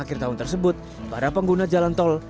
akhir tahun tersebut para pengguna jalan tol